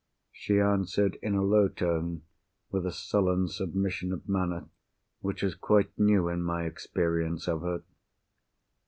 She answered in a low tone, with a sullen submission of manner which was quite new in my experience of her.